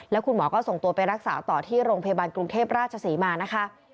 แล้วคุณหมอก็ส่งตัวไปรักษาต่อที่โรงพยาบาลกรุงเทพราชศรีมานะคะ